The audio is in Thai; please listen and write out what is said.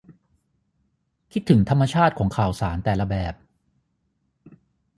คิดถึงธรรมชาติของข่าวสารแต่ละแบบ